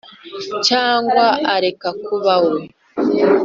cyangwa areke kuba we